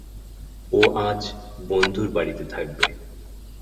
ও আজ বন্ধুর বাড়িতে থাকবে।